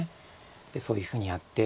でそういうふうにやって。